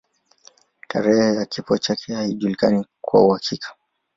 Tarehe ya kifo chake haijulikani kwa uhakika.